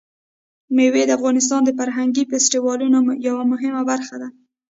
مېوې د افغانستان د فرهنګي فستیوالونو یوه مهمه برخه ده.